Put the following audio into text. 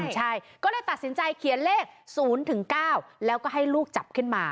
ใช่ก็เลยตัดสินใจเขียนเลข๐๙แล้วก็ให้ลูกจับขึ้นมา